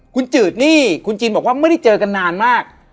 คุณจืดนี่คุณจีนบอกว่าไม่ได้เจอกันนานมาก